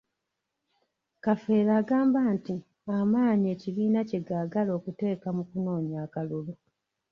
Kafeero agamba nti amaanyi ekibiina kye gaagala okuteeka mu kunoonya akalulu.